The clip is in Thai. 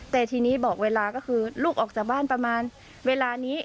แต่ทีนี้บอกเวลาก็คือลูกออกจากบ้านประมาณเวลานี้